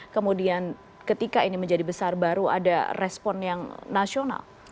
kemudian ketika ini menjadi besar baru ada respon yang nasional